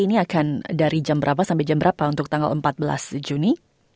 ini akan dari jam berapa sampai jam berapa untuk tanggal empat belas juni